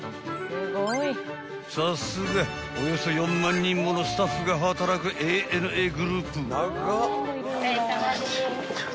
［さすがおよそ４万人ものスタッフが働くＡＮＡグループ］